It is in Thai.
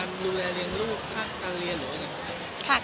อย่างดูแลและเหลือนู่นให้การเรียนหรืออะไร